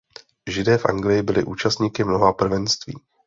Židé v Anglii byli účastníky mnoha prvenství.